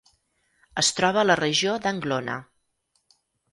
Es troba a la regió d'Anglona.